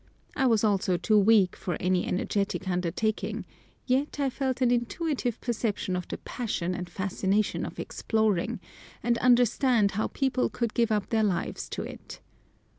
I was also too weak for any energetic undertaking, yet I felt an intuitive perception of the passion and fascination of exploring, and understood how people could give up their lives to it.